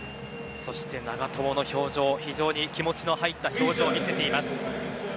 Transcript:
そして長友の表情非常に気持ちの入った表情を見せています。